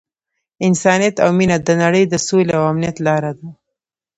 انسانیت او مینه د نړۍ د سولې او امنیت لاره ده.